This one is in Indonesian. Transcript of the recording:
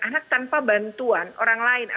anak tanpa bantuan orang lain